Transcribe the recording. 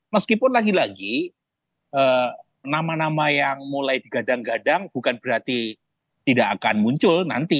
meskipun lagi lagi nama nama yang mulai digadang gadang bukan berarti tidak akan muncul nanti